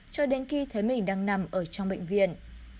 cho đến khi thấy mình đang nằm ở trong bệnh viện